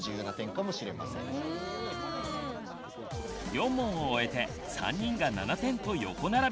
４問を終えて３人が７点と横並び！